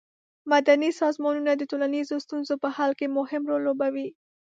مدني سازمانونه د ټولنیزو ستونزو په حل کې مهم رول لوبوي.